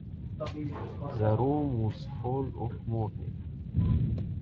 The room was full of morning.